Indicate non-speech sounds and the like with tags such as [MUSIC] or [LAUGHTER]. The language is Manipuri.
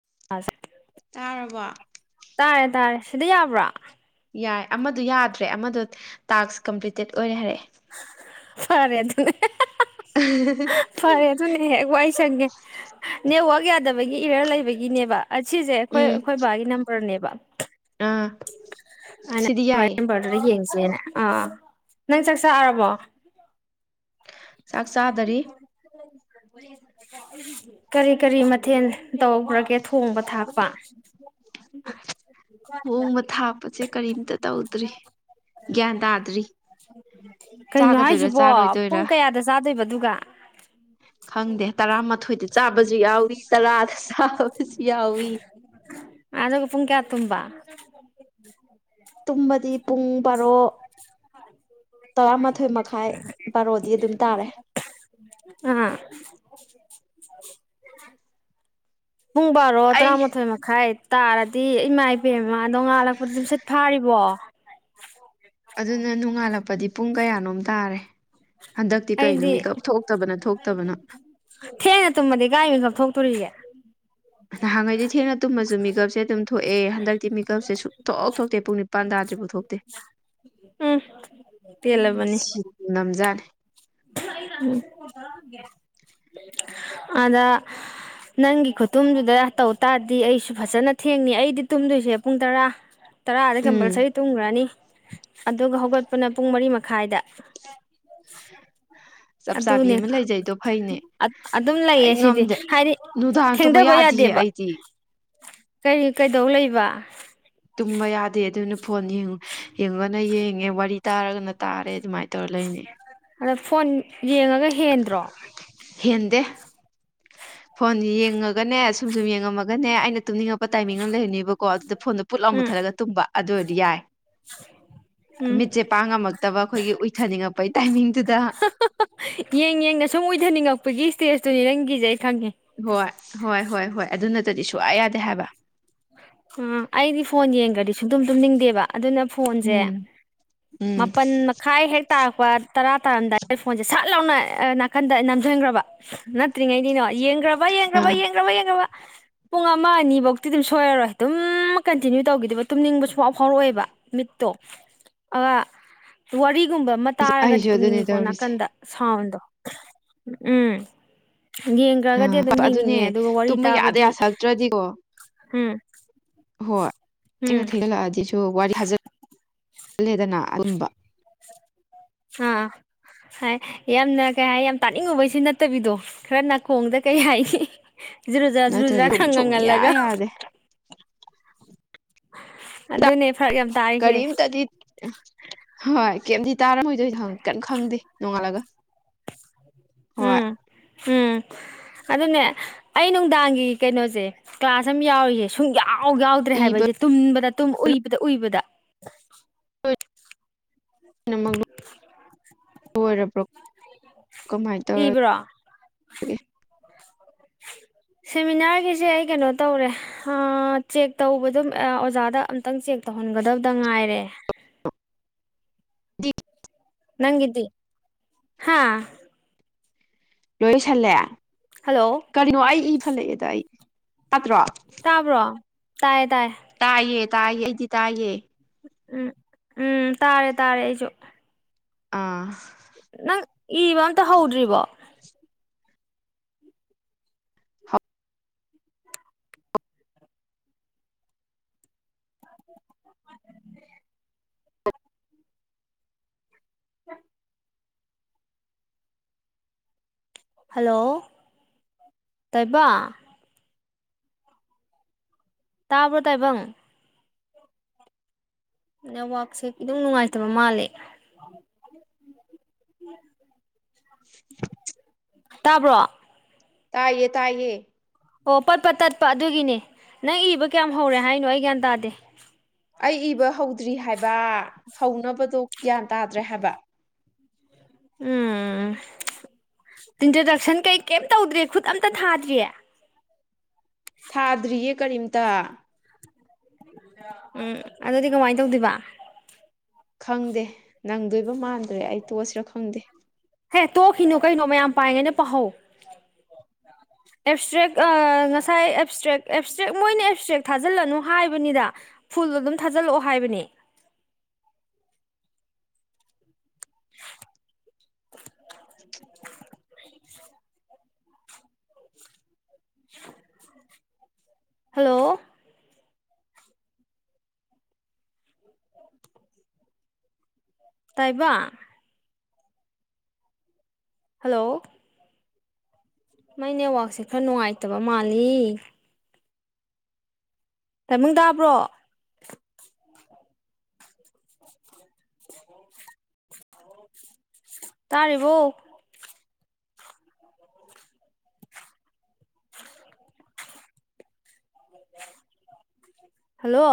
[UNINTELLIGIBLE] ꯇꯥꯔꯕꯣ ꯇꯥꯥꯔꯦ ꯁꯤꯗ ꯌꯥꯕ꯭ꯔꯣ ꯌꯥꯏ ꯑꯃꯗꯣ ꯌꯥꯗ꯭ꯔꯦ ꯑꯃꯗꯣ ꯇꯥꯛꯁ ꯀꯝꯄ꯭ꯂꯤꯇꯦꯠ ꯑꯣꯏꯔꯦ ꯍꯥꯏꯔꯛꯑꯦ ꯐꯔꯦ ꯑꯗꯨꯅ ꯐꯔꯦ ꯑꯗꯨꯅ ꯍꯦꯛ ꯋꯥꯏ ꯁꯪꯒꯦ ꯅꯦꯠꯋꯥꯛ ꯌꯥꯗꯕ ꯒꯤ ꯏꯔꯔ ꯂꯩꯕꯒꯤꯅꯦꯕ ꯑꯁꯤꯁꯦ ꯑꯩꯈꯣꯏ ꯎꯝ ꯑꯩꯈꯣꯏ ꯕꯥꯒꯤ ꯅꯝꯕꯔꯅꯦꯕ ꯑꯥ ꯑꯅ ꯁꯤꯗꯤ ꯕꯥꯏ ꯌꯥꯏꯌꯦ ꯅꯝꯕꯔꯗꯣ ꯌꯦꯡ ꯑꯥ ꯅꯪ ꯆꯥꯛ ꯆꯥꯔꯕꯣ ꯆꯥꯛ ꯆꯥꯗꯔꯤ [INAUDIBLE] ꯀꯔꯤ ꯀꯔꯤ ꯃꯊꯦꯜ ꯇꯧꯈ꯭ꯔꯒꯦ ꯊꯣꯡꯕ ꯊꯥꯛꯄ [UNINTELLIGIBLE] ꯊꯥꯞꯄꯁꯦ ꯀꯔꯤꯝꯇ ꯇꯧꯗ꯭ꯔꯤ ꯒ꯭ꯌꯥꯟ ꯇꯥꯗ꯭ꯔꯤ ꯀꯩꯅꯣ ꯆꯥꯒꯗꯣꯏꯔꯥ ꯍꯥꯏꯁꯤꯕꯣ ꯆꯥꯔꯣꯏꯗꯣꯏꯔꯥ ꯄꯨꯡ ꯀꯌꯥꯗ ꯆꯥꯗꯣꯏꯕ ꯑꯗꯨꯒ ꯈꯪꯗꯦ ꯇꯔꯥꯃꯥꯊꯣꯏꯗ ꯆꯥꯕꯁꯨ ꯌꯥꯎꯏ ꯇꯔꯥꯗ ꯆꯥꯕꯁꯨ ꯌꯥꯎꯏ ꯑꯒ ꯄꯨꯨꯡ ꯀꯌꯥ ꯇꯨꯝꯕ ꯇꯨꯝꯃꯗꯤ ꯄꯨꯡ ꯕꯥꯔꯣ ꯇꯔꯥꯃꯥꯊꯣꯏ ꯃꯈꯥꯏ ꯕꯥꯔꯣꯗꯤ ꯑꯗꯨꯝ ꯇꯥꯔꯦ ꯑꯥ ꯄꯨꯡ ꯕꯥꯔꯣ ꯑꯩ ꯇꯔꯥꯃꯥꯊꯣꯏ ꯃꯈꯥꯏ ꯇꯥꯔꯗꯤ ꯏꯃꯥꯏ ꯏꯕꯦꯝꯃꯥ ꯑꯗꯣ ꯉꯥꯜꯂꯛꯄꯗꯗꯤ ꯁꯦꯠ ꯐꯥꯔꯤꯕꯣ ꯑꯗꯨꯅ ꯅꯣꯡꯉꯥꯜꯂꯛꯄꯗꯤ ꯄꯨꯡ ꯀꯌꯥꯅꯣꯝ ꯇꯥꯔꯦ ꯍꯟꯗꯛꯇꯤ ꯀꯩꯅꯣ ꯑꯩꯗꯤ ꯃꯤꯀꯞ ꯊꯣꯛꯇꯕꯅ ꯊꯣꯛꯇꯕꯅ ꯊꯦꯡꯅ ꯇꯃꯗꯤ ꯀꯥꯏ ꯁ ꯇꯔꯤꯒ ꯅꯍꯥꯟꯈꯩꯗꯤ ꯊꯦꯡꯅ ꯇꯨꯝꯃꯁꯨ ꯃꯦꯀꯞꯁꯦ ꯑꯗꯨꯝ ꯊꯣꯛꯑꯦ ꯍꯟꯗꯛꯇꯤ ꯃꯦꯀꯞꯁꯦ ꯁꯨ ꯊꯣꯛꯑ ꯊꯣꯛꯇꯦ ꯄꯨꯡ ꯅꯤꯄꯥꯟꯗ ꯗ꯭ꯔꯤ ꯄꯨꯊꯣꯛꯇꯦ ꯎꯝ ꯎ ꯄꯦꯜꯂꯕꯅꯤ ꯁꯤ ꯅꯝꯖꯥꯠꯅꯤ ꯑꯗ ꯅꯪꯒꯤ ꯈꯨꯇꯨꯝꯗꯨꯗ ꯇꯧ ꯇꯥꯔꯗꯤ ꯑꯩꯁꯨ ꯐꯖꯅ ꯊꯦꯡꯉ ꯑꯩꯗꯤ ꯇꯨꯝꯗꯣꯏꯁꯦ ꯄꯨꯡ ꯇꯔꯥ ꯇꯔꯥꯗꯤ ꯎꯝ ꯀꯝꯄꯜꯁꯔꯤ ꯇꯨꯝꯈ꯭ꯔꯅꯤ ꯑꯗꯨꯒ ꯍꯧꯒꯠꯄꯅ ꯄꯨꯡ ꯃꯔꯤ ꯃꯈꯥꯏꯗ ꯆꯞ ꯆꯥꯕꯤ ꯑꯗꯨꯅꯦ ꯑꯃ ꯂꯩꯖꯩꯗꯣ ꯐꯩꯅꯦ ꯑꯗꯨꯝ ꯂꯩꯌꯦ ꯑꯩ ꯁꯤꯗꯤ ꯉꯝꯗꯦ ꯍꯥꯏꯗꯤ ꯅꯨꯡꯗꯥꯡꯇꯃ ꯊꯦꯡꯊꯕ ꯌꯥꯗꯤꯌꯦ ꯌꯥꯗꯦꯕ ꯑꯩꯗꯤ ꯀꯔꯤ ꯀꯩꯗꯧ ꯂꯩꯕ ꯇꯨꯝꯕ ꯌꯥꯗꯦ ꯑꯗꯨꯅ ꯐꯣꯟ ꯌꯦꯡꯉꯅ ꯌꯦꯡꯉꯦ ꯋꯥꯔꯤ ꯇꯥꯔꯒꯅ ꯇꯥꯔꯦ ꯑꯗꯨꯃꯥꯏꯅ ꯇꯧꯔ ꯂꯩꯅꯤ ꯑꯗ ꯐꯣꯟ ꯌꯦꯡꯉꯒ ꯍꯦꯟꯗ꯭ꯔꯣ ꯍꯦꯟꯗꯦ ꯐꯣꯟ ꯌꯦꯡꯉꯒꯅꯦ ꯁꯨꯝ ꯁꯨꯝ ꯌꯦꯡꯉꯝꯃꯒꯅꯦ ꯑꯩꯅ ꯇꯨꯝꯅꯤꯡꯉꯄ ꯄ ꯇꯥꯏꯃꯤꯡ ꯑꯃ ꯂꯩꯔꯅꯦꯕꯀꯣ ꯑꯗꯨꯗ ꯐꯣꯟꯣ ꯄꯨꯠꯂꯥꯎ ꯎꯝ ꯃꯨꯠꯊꯠꯂꯒ ꯇꯨꯝꯕ ꯑꯗꯨ ꯑꯣꯏꯔꯗꯤ ꯌꯥꯏ ꯎꯝ ꯃꯤꯠꯁꯦ ꯄꯥꯡꯉꯝꯃꯛꯇꯕ ꯑꯩꯈꯣꯏꯒꯤ ꯎꯏꯊꯅꯤꯡꯉꯛꯄꯩ ꯇꯥꯏꯃꯤꯡꯗꯨꯗ ꯌꯦꯡ ꯌꯦꯡꯅ ꯁꯨꯝ ꯑꯣꯏꯊꯅꯤꯡꯉꯛꯄꯒꯤ ꯏꯁꯇꯦꯖꯇꯨꯅꯤ ꯅꯪꯒꯤꯖꯦ ꯍꯣꯏ ꯍꯣꯏ ꯍꯣꯏ ꯍꯣꯏ ꯑꯗꯨꯅꯠꯇꯗꯤ ꯁꯨꯡꯌꯥ ꯌꯥꯗꯦ ꯍꯥꯏꯕ ꯎꯝ ꯑꯩꯗꯤ ꯐꯣꯟ ꯌꯦꯡꯒꯔꯗꯤ ꯁꯨꯝꯇꯨꯝ ꯇꯨꯝꯅꯤꯡꯗꯦꯕ ꯑꯗꯨꯅ ꯐꯣꯟꯁꯦ ꯎꯝ ꯎꯝ ꯃꯥꯄꯜ ꯃꯈꯥꯏ ꯍꯦꯛ ꯇꯥꯔꯛꯄ ꯇꯔꯥ ꯇꯥꯔꯝꯗꯥꯏ ꯐꯣꯟꯁꯦ ꯁꯠ ꯂꯥꯎꯅ ꯅꯥꯀꯟꯗ ꯅꯝꯁꯤꯟꯈ꯭ꯔꯕ ꯅꯠꯇ꯭ꯔꯤꯉꯩꯗꯤꯅꯣ ꯌꯦꯡꯈ꯭ꯔꯕ ꯌꯦꯡꯈ꯭ꯔꯕ ꯑꯥ ꯌꯦꯡꯈ꯭ꯔꯕ ꯌꯦꯡꯈꯔꯕ ꯄꯨꯡ ꯑꯃ ꯑꯅꯤ ꯐꯧꯗꯤ ꯑꯗꯨꯝ ꯁꯣꯏꯔꯔꯣꯏ ꯑꯗꯨꯝ ꯀꯟꯇꯤꯅ꯭ꯌꯨ ꯇꯧꯈꯤꯗꯣꯏꯕ ꯇꯨꯝꯅꯤꯡꯕ ꯁꯨꯛ ꯐꯥꯎ ꯐꯥꯎꯔꯛ ꯑꯣꯏꯕ ꯃꯤꯠꯇꯣ ꯑ ꯋꯥꯔꯤ ꯁꯤꯒꯨꯝꯕ ꯑꯃ ꯇꯥꯔꯒꯗꯤ ꯑꯩꯁꯨ ꯑꯗꯨꯅꯦ ꯇꯨꯝꯅꯤꯡꯉꯤꯀꯣ ꯇꯧꯔꯤꯁꯦ ꯅꯥꯀꯟꯗ ꯁꯥꯎꯟꯗꯣ ꯎꯝ ꯌꯦꯡꯈ꯭ꯔꯒꯗꯤ ꯑꯥ ꯑꯗꯨꯝ ꯍꯣꯏ ꯌꯦꯡꯅꯤꯡꯉꯦ ꯑꯗꯨꯅꯦ ꯑꯗꯨꯒ ꯋꯥꯔꯤ ꯇꯨꯝꯕ ꯌꯥꯗ ꯇꯥꯕꯗꯤ ꯌꯥꯁꯜꯂꯛꯇ꯭ꯔꯗꯤꯀꯣ ꯎꯝ ꯍꯣꯏ ꯊꯦꯡꯗ ꯎꯝ ꯊꯦꯡꯖꯤꯜꯂꯛꯑꯗꯤ ꯁꯨꯝ ꯁꯨ ꯋꯥꯔꯤ ꯍꯥꯏꯖꯂꯦꯗꯅ ꯑꯗꯨꯝꯕ ꯑꯥ ꯍꯥꯏ ꯌꯥꯝꯅ ꯀꯩ ꯍꯥꯏ ꯌꯥꯝ ꯇꯥꯅꯤꯡꯉꯨꯕꯩꯁꯨ ꯅꯠꯇꯕꯤꯗꯣ ꯈꯔ ꯅꯥꯀꯣꯡꯗ ꯀꯩ ꯍꯥꯏꯒ ꯖꯔꯨ ꯖꯔ ꯖꯔꯨ ꯅꯠꯇ꯭ꯔꯗꯤ ꯖꯔ ꯈꯔ ꯑꯗꯨꯝ ꯁꯨꯡꯌꯥ ꯉꯪꯍꯜꯂꯒ ꯌꯥꯗꯦ ꯑꯗꯨꯅꯦ ꯐꯔꯛ ꯌꯥꯝ ꯇꯥꯔꯤꯁꯦ ꯀꯔꯤꯝ ꯇꯗꯤ ꯍꯣꯏ ꯀꯩꯝꯗꯤ ꯇꯥꯔꯝꯃꯣꯏꯗꯣꯏ ꯀꯟꯅ ꯈꯪꯗꯦ ꯅꯣꯡꯉꯥꯜꯂꯒ ꯍꯣꯏ ꯎꯝ ꯎꯝ ꯑꯗꯨꯅꯦ ꯑꯩ ꯅꯨꯡꯗꯥꯡꯒꯤ ꯀꯩꯅꯣꯁꯦ ꯀ꯭ꯂꯥꯁ ꯑꯃ ꯌꯥꯎꯔꯤꯁꯦ ꯁꯨꯡ ꯌꯥꯎ ꯌꯥꯥꯎ ꯌꯥꯎꯗ꯭ꯔꯦ ꯍꯥꯏꯕ ꯏꯕ ꯑꯩꯁꯦ ꯇꯨꯝꯕꯗ ꯇꯨꯝꯕ ꯎꯏꯕꯗ ꯎꯏꯕꯗ ꯂꯣꯢꯔꯕꯣ ꯀꯃꯥꯏꯅ ꯏꯕ꯭ꯔꯣ ꯇꯧꯔꯒꯦ [INAUDIBLE] ꯁꯦꯃꯤꯅꯥꯔꯒꯤꯁꯦ ꯑꯩ ꯀꯩꯅꯣ ꯇꯧꯔꯦ ꯆꯦꯛ ꯇꯧꯕꯗꯨꯝ ꯑꯣꯖꯥꯗ ꯑꯝꯇꯪ ꯆꯦꯛ ꯇꯧꯍꯟꯒꯗꯕꯗ ꯉꯥꯏꯔꯦ [UNINTELLIGIBLE] [UNINTELLIGIBLE] ꯅꯪꯒꯤꯗꯤ ꯍꯥꯥ ꯂꯣꯏꯁꯜꯂꯦ ꯍꯜꯂꯣ ꯀꯔꯤꯅꯣ ꯑꯩ ꯏ ꯐꯠꯂꯛꯑꯦꯗ ꯑꯩ ꯄꯠꯇ꯭ꯔꯣ ꯇꯥꯕ꯭ꯔꯣ ꯇꯥꯏ ꯇꯥꯏꯌꯦ ꯇꯥꯏꯌꯦ ꯑꯩꯗꯤ ꯇꯥꯏꯌꯦ ꯎꯝ ꯎꯝ ꯇꯥꯔꯦ ꯇꯥꯔꯦ ꯑꯩꯁꯨ ꯑꯥ ꯅꯪ ꯏꯕ ꯑꯃꯇ ꯍꯧꯗ꯭ꯔꯤꯕꯣ [UNINTELLIGIBLE] ꯍꯜꯂꯣ ꯇꯥꯏꯕꯥꯪ ꯇꯥꯕ꯭ꯔ ꯇꯥꯏꯕꯥꯪ ꯅꯦꯠꯋꯥꯛꯁꯦ ꯏꯅꯨꯡ ꯅꯨꯡꯉꯥꯏꯇꯕ ꯃꯥꯜꯂꯦ [UNINTELLIGIBLE] ꯇꯥꯕ꯭ꯔꯣ ꯇꯥꯏꯌꯦ ꯇꯥꯏꯌꯦ ꯑꯣ ꯄꯠ ꯄꯠ ꯇꯠꯄ ꯑꯗꯨꯒꯤꯅꯦ ꯅꯪ ꯏꯕ ꯀꯌꯥꯝ ꯍꯧꯔꯦ ꯍꯥꯏꯅꯣ ꯑꯩ ꯒ꯭ꯌꯥꯟ ꯇꯥꯗꯦ ꯑꯩ ꯏꯕ ꯍꯧꯗ꯭ꯔꯤ ꯍꯥꯏꯕ ꯍꯧꯅꯕꯗꯣ ꯒ꯭ꯌꯥꯟ ꯇꯥꯗ꯭ꯔꯦ ꯍꯥꯏꯕ ꯎꯝ [INAUDIBLE] ꯏꯟꯇ꯭ꯔꯗꯛꯁꯟ ꯀꯩ ꯀꯩꯝ ꯇꯧꯗ꯭ꯔꯤ ꯈꯨꯠ ꯑꯝꯇ ꯊꯥꯗ꯭ꯔꯤ ꯊꯥꯗ꯭ꯔꯤꯌꯦ ꯀꯔꯤꯝꯇ ꯎꯝ ꯑꯗꯨꯗꯤ ꯀꯃꯥꯏꯅ ꯇꯧꯗꯣꯏꯕ ꯈꯪꯗꯦ ꯅꯪꯗꯣꯏꯕ ꯃꯥꯟꯗ꯭ꯔꯦ ꯑꯩ ꯇꯣꯛꯑꯁꯤꯔ ꯈꯪꯗꯦ ꯍꯦ ꯇꯣꯛꯈꯤꯅꯨ ꯀꯩꯅꯣ ꯃꯌꯥꯝ ꯄꯥꯔꯤꯉꯩꯗ ꯄꯥꯍꯧ [INAUDIBLE] ꯑꯦꯞꯁꯇ꯭ꯔꯦꯛ ꯉꯁꯥꯏ ꯑꯦꯞꯁꯇ꯭ꯔꯦꯛ ꯑꯦꯞꯁꯇ꯭ꯔꯦꯛ ꯃꯣꯏꯅ ꯑꯦꯞꯁꯇ꯭ꯔꯦꯛ ꯊꯥꯖꯤꯜꯂꯅꯨ ꯍꯥꯏꯕꯅꯤꯗ ꯐꯨꯜꯗꯣ ꯑꯗꯨꯝ ꯊꯥꯖꯤꯜꯂꯛꯑꯣ ꯍꯥꯏꯕꯅꯤ ꯑ [UNINTELLIGIBLE] ꯍꯜꯂꯣ ꯇꯥꯏꯕ ꯍꯜꯂꯣ ꯃꯥꯏ ꯅꯦꯠꯋꯥꯛꯛꯁꯦ ꯈꯔ ꯅꯨꯡꯉꯥꯏꯇꯕ ꯃꯥꯜꯂꯤ ꯇꯥꯏꯃꯨꯡ ꯇꯥꯕ꯭ꯔꯣ ꯑꯣ ꯇꯥꯔꯔꯤꯕꯣ ꯍꯜꯂꯣ